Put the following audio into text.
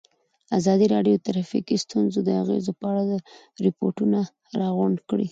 ازادي راډیو د ټرافیکي ستونزې د اغېزو په اړه ریپوټونه راغونډ کړي.